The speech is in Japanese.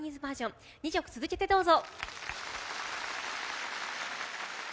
２曲続けてどうぞ。